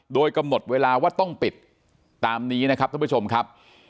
โดยกำหนดเวลาว่าต้องปิดตามนี้นะครับท่านผู้ชมครับ